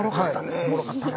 「おもろかったな」